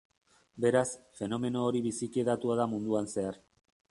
Beraz, fenomeno hori biziki hedatua da munduan zehar.